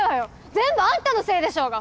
全部アンタのせいでしょうが！